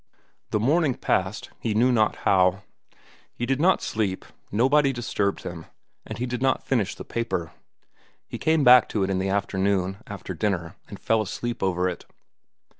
The morning passed, he knew not how. He did not sleep, nobody disturbed him, and he did not finish the paper. He came back to it in the afternoon, after dinner, and fell asleep over it.